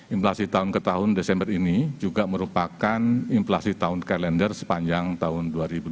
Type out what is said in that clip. inflasi tahun ke tahun desember ini juga merupakan inflasi tahun kalender sepanjang tahun dua ribu dua puluh